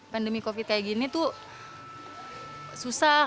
pandemi covid sembilan belas seperti ini susah